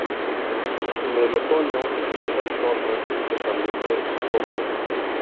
En el otoño, las hojas tornan completamente a rojo.